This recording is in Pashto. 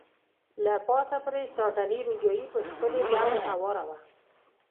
له پاسه پرې ساټني روجايي په ښکلي ډول هواره وه.